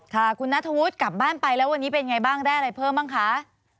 ค่ะคุณนัทธวุฒิกลับบ้านไปแล้ววันนี้เป็นไงบ้างได้อะไรเพิ่มบ้างคะ